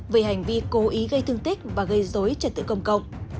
về hành vi cố ý gây thương tích và gây dối trật tự công cộng